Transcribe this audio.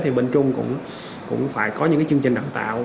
thì bên trung cũng phải có những cái chương trình đạm tạo